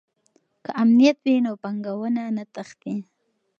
که امنیت وي نو پانګونه نه تښتي.